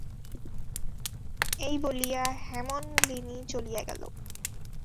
এই বলিয়া হেমনলিনী চলিয়া গেল।